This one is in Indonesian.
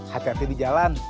hati hati di jalan